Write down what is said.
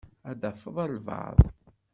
Ad tafeḍ albaɛḍ.